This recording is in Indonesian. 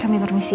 kami permisi ya